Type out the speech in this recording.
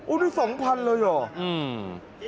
ได้๒๐๐๐เลยเหรอ